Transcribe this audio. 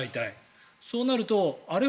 そうなると、あれ？